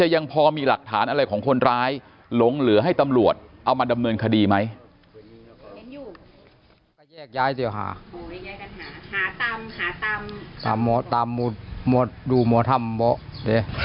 ยักษ์ย้ายเดี๋ยวหาหาตำหาตำตามหมวดดูหมวดทำบอก